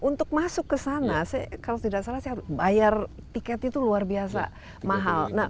untuk masuk ke sana kalau tidak salah saya bayar tiket itu luar biasa mahal